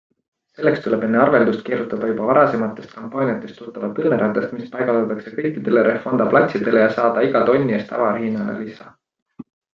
Selleks tuleb enne arveldust keerutada juba varasematest kampaaniatest tuttavat õnneratast, mis paigaldatakse kõikidele Refonda platsidele ja saada iga tonni eest tavahinnale lisa.